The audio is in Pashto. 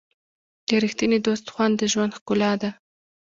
د ریښتیني دوست خوند د ژوند ښکلا ده.